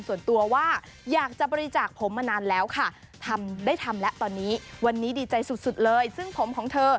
ส่วนตัวว่าอยากจะบริจาคผมมานานแล้วค่ะทำได้ทำแล้วตอนนี้วันนี้ดีใจสุดเลยซึ่งผมของเธอ